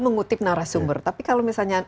mengutip narasumber tapi kalau misalnya